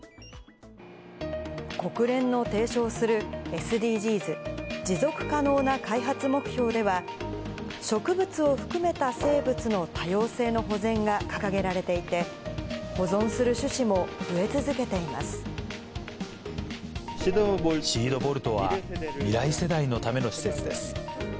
国連の提唱するＳＤＧｓ・持続可能な開発目標では、植物を含めた生物の多様性の保全が掲げられていて、保存する種子シードボルトは、未来世代のための施設です。